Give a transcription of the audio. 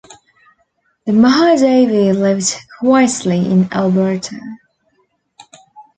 The Mahadevi lived quietly in Alberta.